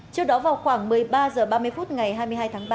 trước đó vào khoảng một mươi ba h ba mươi phút ngày hai mươi hai tháng ba